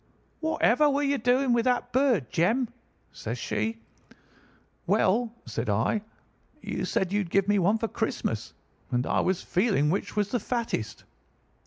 "'Whatever were you doing with that bird, Jem?' says she. "'Well,' said I, 'you said you'd give me one for Christmas, and I was feeling which was the fattest.